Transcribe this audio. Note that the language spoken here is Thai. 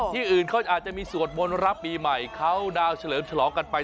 ที่อื่นเขาอาจจะมีสวดมนต์รับปีใหม่เข้าดาวนเฉลิมฉลองกันไป